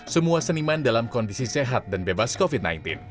semeniman dalam kondisi sehat dan bebas covid sembilan belas